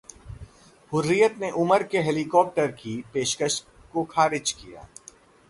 हुर्रियत ने उमर के हेलीकॉप्टरकी पेशकश को खारिज किया